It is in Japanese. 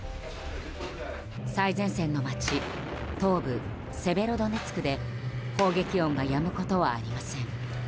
最前線の街東部セベロドネツクで砲撃音がやむことはありません。